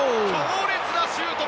強烈なシュート！